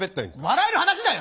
笑える話だよ！